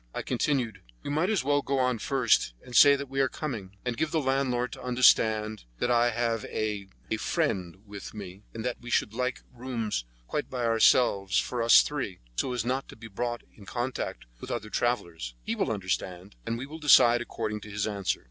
I continued: "You might as well go on first, and say that we are coming; and give the landlord to understand that I have a—a friend with me and that we should like rooms quite by themselves for us three, so as not to be brought in contact with other travellers. He will understand, and we will decide according to his answer."